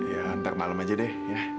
ya ntar malem aja deh